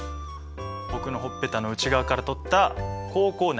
僕のほっぺたの内側から取った口腔内